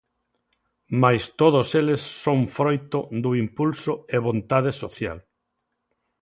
Mais todos eles son froito do impulso e vontade social.